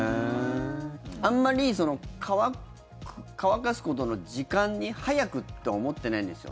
あんまり乾かすことの時間に早くって思ってないんですよ。